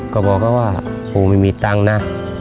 ก็บอกเขาว่าปู่ไม่มีตังค์นะ